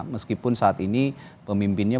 meskipun saat ini pemimpinnya